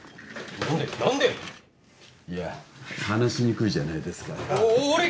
いや話しにくいじゃないですかおお